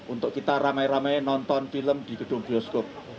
untuk kita ramai ramai nonton film di gedung bioskop